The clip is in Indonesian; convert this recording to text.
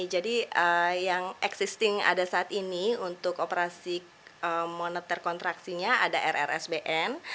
jadi yang existing ada saat ini untuk operasi moneter kontraksinya ada rrsbn